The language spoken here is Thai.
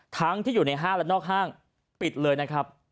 ทั้งที่อยู่ในห้างและนอกห้างปิดเลยนะครับ